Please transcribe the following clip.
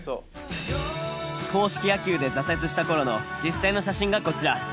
硬式野球で挫折した頃の実際の写真がこちら。